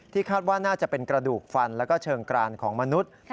คาดว่าน่าจะเป็นกระดูกฟันแล้วก็เชิงกรานของมนุษย์